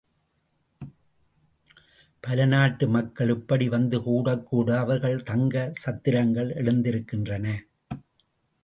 பல நாட்டு மக்கள் இப்படி வந்து கூடக் கூட அவர்கள் தங்க சத்திரங்கள் எழுந்திருக்கின்றன.